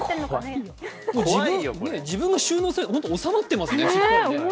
自分で収納して、収まってますね。